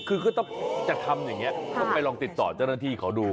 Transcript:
คือก็ต้องจะทำอย่างนี้ต้องไปลองติดต่อเจ้าหน้าที่เขาดู